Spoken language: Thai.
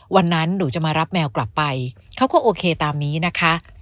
วันนั้นหนูจะมารับแมวกลับไปเขาก็โอเคตามนี้นะคะ